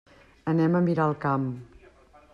Anem a Miralcamp.